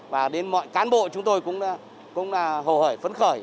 và đến mọi cán bộ chúng tôi cũng hầu hởi phấn khởi